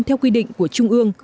theo quy định của trung ương